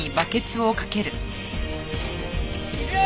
いくよ！